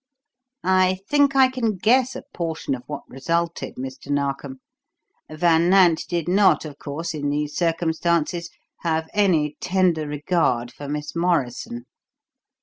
"I think I can guess a portion of what resulted, Mr. Narkom. Van Nant did not, of course, in these circumstances have any tender regard for Miss Morrison."